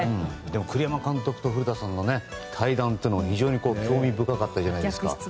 栗山監督と古田さんの対談も非常に興味深かったじゃないですか。